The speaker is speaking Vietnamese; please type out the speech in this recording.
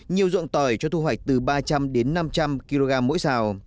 nhiều ruộng tỏi cho thu hoạch từ ba trăm linh đến năm trăm linh kg mỗi xào